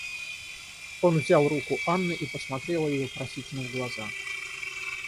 Он взял руку Анны и посмотрел ей вопросительно в глаза.